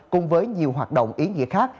cùng với nhiều hoạt động ý nghĩa khác